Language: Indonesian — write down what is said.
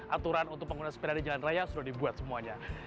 aturan untuk pengguna sepeda di jalan raya sudah dibuat semuanya